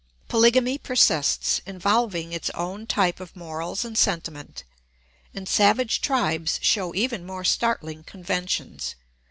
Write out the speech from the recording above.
Polygamy persists, involving its own type of morals and sentiment, and savage tribes show even more startling conventions.